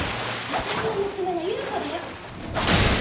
私の娘の優子だよ。